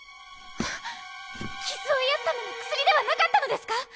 あっ傷を癒やすための薬ではなかったのですか